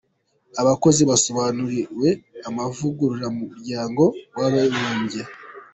Abakozi basobanuriwe amavugurura mu Muryango w’Abibumbye.